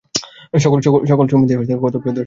সকল সমিতিই কতকগুলি দোষযুক্ত সাধারণ নিয়মের উপর স্থাপিত।